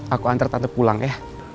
aku antar tante pulang ya